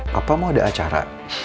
papa mau ada acara